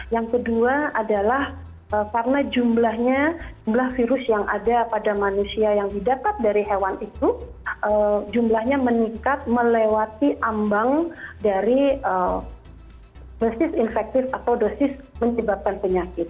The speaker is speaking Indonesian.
yang kedua adalah karena jumlahnya jumlah virus yang ada pada manusia yang didapat dari hewan itu jumlahnya meningkat melewati ambang dari dosis infektif atau dosis menyebabkan penyakit